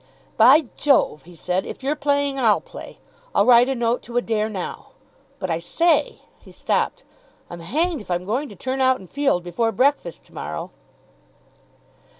"By Jove," he said, "if you're playing, I'll play. I'll write a note to Adair now. But, I say " he stopped "I'm hanged if I'm going to turn out and field before breakfast to morrow."